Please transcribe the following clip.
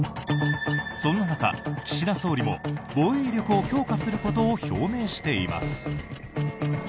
そんな中、岸田総理も防衛力を強化することを表明しています。